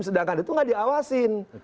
sedangkan itu nggak diawasin